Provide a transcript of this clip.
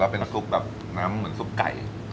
แล้วเป็นซุปแบบน้ำเหมือนซุปไก่